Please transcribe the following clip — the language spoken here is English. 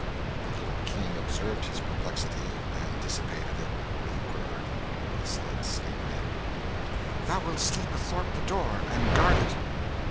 The little King observed his perplexity, and dissipated it with a word. He said, sleepily "Thou wilt sleep athwart the door, and guard it."